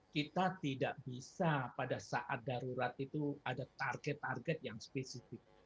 kita tidak bisa pada saat darurat itu ada target target yang spesifik